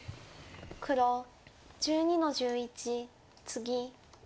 黒１２の十一ツギ。